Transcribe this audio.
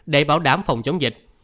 để bảo đảm phòng chống dịch